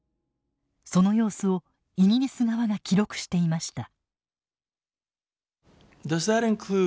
その様子をイギリス側が記録していました。